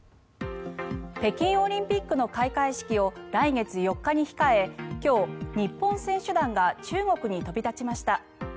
北京オリンピックの開会式を来月４日に控え今日、日本選手団が中国に飛び立ちました。